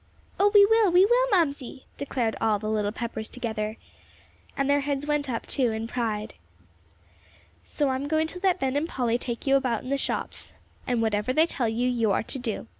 "Oh, we will, we will, Mamsie," declared all the little Peppers together. And their heads went up, too, in pride. "So I am going to let Ben and Polly take you about in the shops. And whatever they tell you, you are to do.